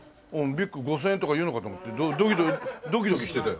ビッグ５０００円とか言うのかと思ってドキドキしてたよ。